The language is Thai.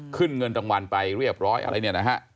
เงินรางวัลไปเรียบร้อยอะไรเนี่ยนะฮะ